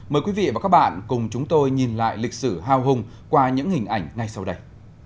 mời quý vị và các bạn cùng chúng tôi nhìn lại lịch sử hao hùng qua những hình ảnh ngay sau đây